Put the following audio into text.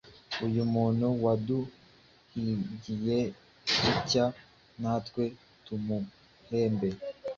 Uyu muntu waduhingiye atya, na twe tumuhembe.